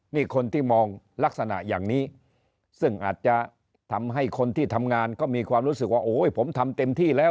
นี่คนที่มองลักษณะอย่างนี้ซึ่งอาจจะทำให้คนที่ทำงานก็มีความรู้สึกว่าโอ้ยผมทำเต็มที่แล้ว